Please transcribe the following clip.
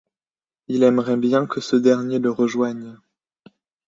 Il aimerait bien que ce dernier le rejoigne.